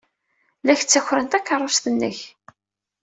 La ak-ttakren takeṛṛust-nnek!